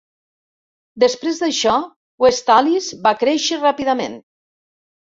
Després d'això, West Allis va créixer ràpidament.